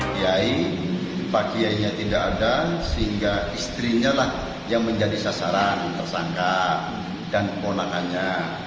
kiai pak kiainya tidak ada sehingga istrinya lah yang menjadi sasaran tersangka dan keponakannya